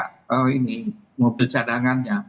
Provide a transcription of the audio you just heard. nah untuk itu kedepannya memang perlu diperbanyak mobil cadangannya